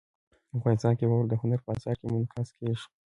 افغانستان کې واوره د هنر په اثار کې منعکس کېږي.